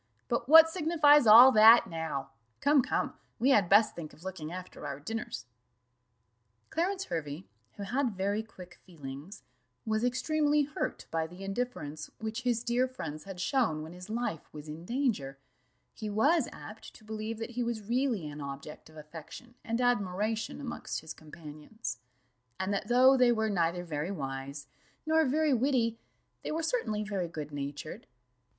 But what signifies all that now? Come, come, we had best think of looking after our dinners." Clarence Hervey, who had very quick feelings, was extremely hurt by the indifference which his dear friends had shown when his life was in danger: he was apt to believe that he was really an object of affection and admiration amongst his companions; and that though they were neither very wise, nor very witty, they were certainly very good natured.